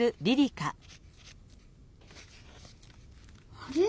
あれ？